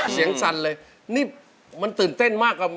สั่นเลยนี่มันตื่นเต้นมากครับ